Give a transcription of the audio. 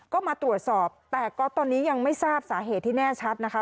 ก็มาตรวจสอบแต่ก็ตอนนี้ยังไม่ทราบสาเหตุที่แน่ชัดนะคะ